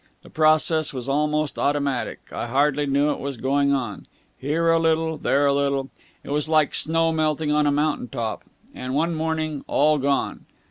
The process was almost automatic. I hardly knew it was going on. Here a little there a little. It was like snow melting on a mountain top. And one morning all gone!"